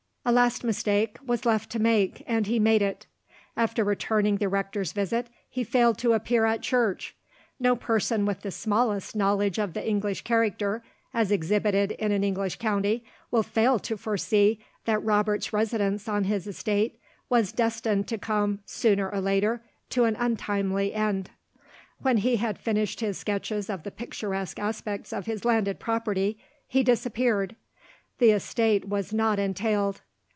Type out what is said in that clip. A last mistake was left to make, and he made it. After returning the rector's visit, he failed to appear at church. No person with the smallest knowledge of the English character, as exhibited in an English county, will fail to foresee that Robert's residence on his estate was destined to come, sooner or later, to an untimely end. When he had finished his sketches of the picturesque aspects of his landed property, he disappeared. The estate was not entailed.